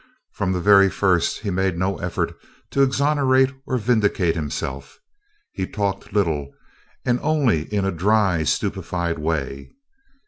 From the very first he made no effort to exonerate or to vindicate himself. He talked little and only in a dry, stupefied way.